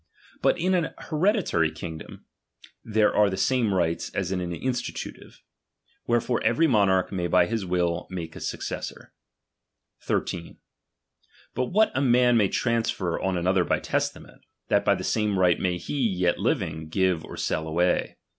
But in an hereditary kingdom, there are the same rights as in an institutive. Where DOMINION. 123 fere every monarch may by his will make a sue ch. eessor. ''' 13. But what a man may transfer on another ^^p''^''^ by testament, that by the same right may he, yet J living, give or sell away.